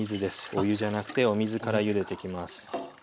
お湯じゃなくてお水からゆでていきます。